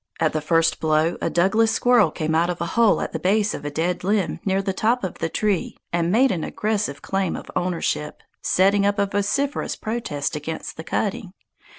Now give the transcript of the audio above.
At the first blow a Douglas squirrel came out of a hole at the base of a dead limb near the top of the tree and made an aggressive claim of ownership, setting up a vociferous protest against the cutting.